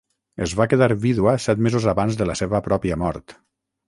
Es va quedar vídua set mesos abans de la seva pròpia mort.